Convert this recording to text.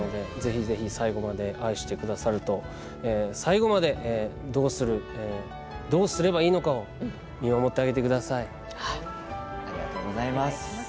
ぜひ最後まで愛してくださると最後まで、どうすればいいのかを見守ってあげてください。